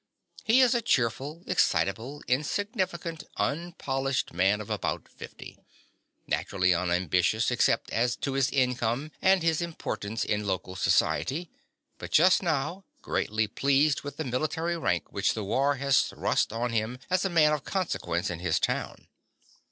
He is a cheerful, excitable, insignificant, unpolished man of about 50, naturally unambitious except as to his income and his importance in local society, but just now greatly pleased with the military rank which the war has thrust on him as a man of consequence in his town.